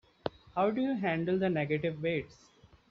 How do you handle the negative weights?